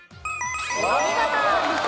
お見事。